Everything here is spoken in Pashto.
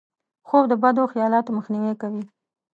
خوب د بدو خیالاتو مخنیوی کوي